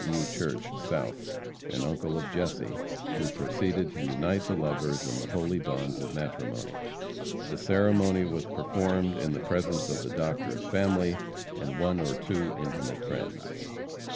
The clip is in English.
E. Church, South, an uncle of Jesse, who proceeded to unite the lovers in the holy bonds of matrimony. The ceremony was performed in the presence of the Doctor's family and one or two intimate friends.